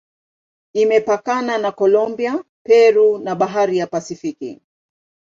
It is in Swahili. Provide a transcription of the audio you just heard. Imepakana na Kolombia, Peru na Bahari ya Pasifiki.